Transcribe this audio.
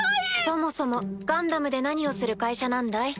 そもそもガンダムで何をする会社なんだい？